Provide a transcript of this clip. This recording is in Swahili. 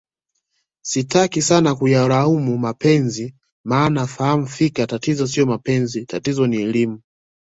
sitaki sana kuyalaumu mapenzi maana nafahamu fika tatizo sio mapenzi tatizo ni elimu